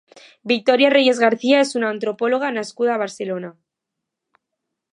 Victoria Reyes García és una antropòloga nascuda a Barcelona.